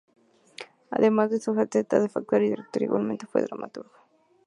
Además de su faceta de actor y director, igualmente fue dramaturgo.